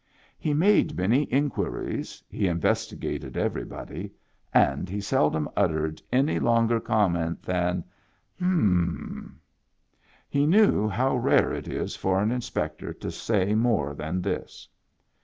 He made many inquiries, he investi gated everybody, and he seldom uttered any longer comment than " H'm, h'm !" He knew how rare it is for an inspector to say more than this.